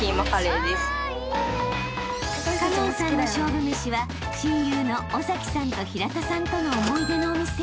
［花音さんの勝負めしは親友の尾さんと平田さんとの思い出のお店］